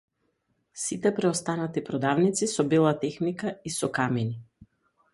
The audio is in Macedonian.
Сите преостанати продавници со бела техника и со камини.